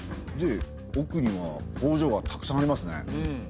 でおくには工場がたくさんありますね。